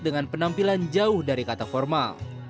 dengan penampilan jauh dari kata formal